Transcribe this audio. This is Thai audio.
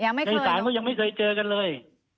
ในศาลก็ยังไม่เคยเจอกันเลย